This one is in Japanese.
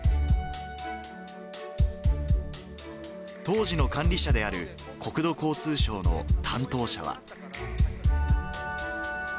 当時の管理者である国土交通省の担当者は。